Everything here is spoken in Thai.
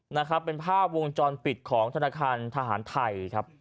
นะครับเป็นภาพวงจรปิดของธนาคารทหารไทยครับ